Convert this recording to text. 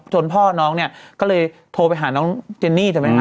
จนพ่อน้องก็เลยโทรไปหาเจนนี่